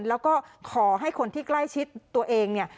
แล้วก็ขอให้คนที่ใกล้ชิดตัวเองเนี่ย